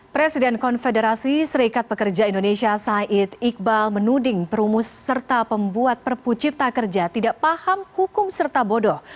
presiden konfederasi serikat pekerja indonesia said iqbal menuding perumus serta pembuat perpu cipta kerja tidak paham hukum serta bodoh